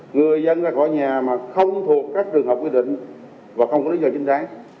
người dân ra khỏi nhà mà không thuộc các trường hợp quy định và không có lý do chính đáng